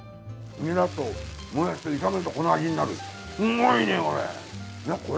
ニラともやしと炒めればこの味になるすごいねこれ。